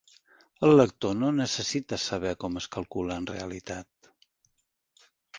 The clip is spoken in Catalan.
El lector no necessita saber com es calcula en realitat.